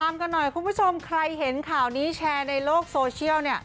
กันหน่อยคุณผู้ชมใครเห็นข่าวนี้แชร์ในโลกโซเชียลเนี่ย